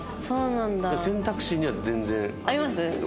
選択肢には全然あるんですけど。